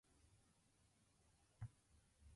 犬はかわいい